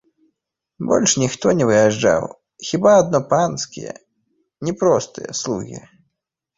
Больш ніхто не выязджаў, хіба адно панскія, не простыя, слугі.